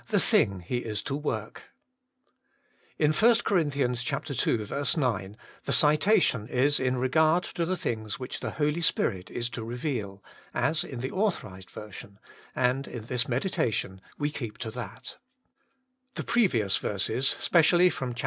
the thing He is to work. In 1 Cor. ii 9 WAITING ON GODt ^ III the citation is in regard to the things which the Holy Spirit is to reveal, as in the A.y., and in this meditation we keep to that. The previous verses, specially from chap.